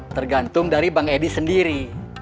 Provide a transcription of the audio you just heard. tergantung dari bang edi sendiri